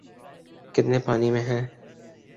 ‘ کتنے پانی میں ہیں۔